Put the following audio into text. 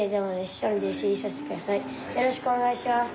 よろしくお願いします。